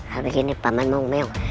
harus begini paman mau meyong